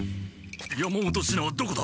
山本シナはどこだ！